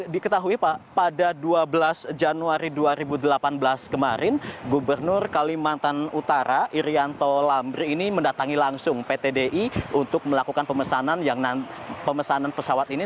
diketahui pak pada dua belas januari dua ribu delapan belas kemarin gubernur kalimantan utara irianto lambri ini mendatangi langsung pt di untuk melakukan pemesanan pesawat ini